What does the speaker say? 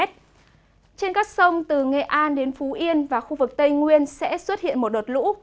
trên các sông từ nghệ an đến phú yên và khu vực tây nguyên sẽ xuất hiện một đợt lũ